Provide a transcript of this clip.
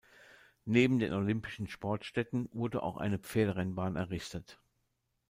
Neben den Olympischen Sportstätten wurde auch eine Pferderennbahn errichtet.